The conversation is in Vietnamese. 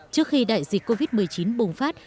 trước khi đại dịch covid một mươi chín bùng phát